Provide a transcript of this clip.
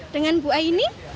dengan bu aini